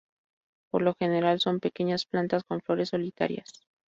Por lo general, son pequeñas plantas con flores solitarias.